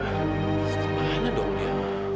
kemana dong dia